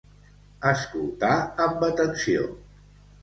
Escoltar amb atenció.